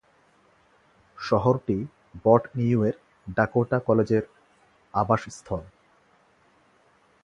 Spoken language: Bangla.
শহরটি বটনিউয়ের ডাকোটা কলেজের আবাসস্থল।